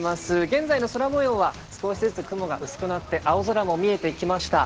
現在の空もようは少しずつ、雲が薄くなって青空も見えてきました。